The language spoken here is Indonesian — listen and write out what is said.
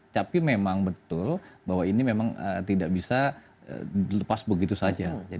tapi memang betul bahwa ini memang tidak bisa dilepas begitu saja